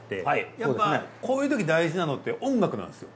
やっぱこういうとき大事なのって音楽なんですよ。